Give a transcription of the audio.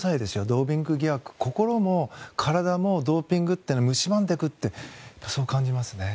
ドーピング疑惑心も体もドーピングっていうのはむしばんでいくってそう感じますね。